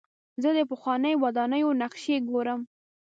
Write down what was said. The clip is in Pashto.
زه د پخوانیو ودانیو نقشې ګورم.